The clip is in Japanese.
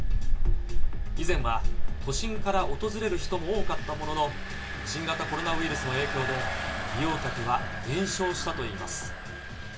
以前は都心から訪れる人も多かったものの、新型コロナウイルスの影響で、利用客は減少したといいます。